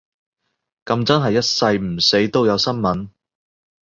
噉真係一世唔死都有新聞